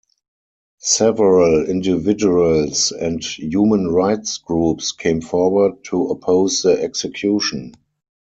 Several individuals and human rights groups came forward to oppose the execution.